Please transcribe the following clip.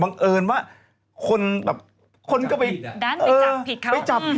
บังเอิญว่าคนก็ไปจับผิด